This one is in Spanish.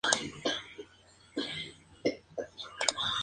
Ese mismo año el concepto recobró vida en la propaganda electoral.